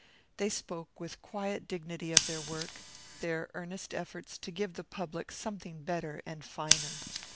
They spoke with quiet dignity of their work, their earnest efforts to give the public something better and finer.